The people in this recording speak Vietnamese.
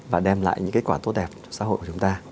và đem lại những cái quả tốt đẹp cho xã hội của chúng ta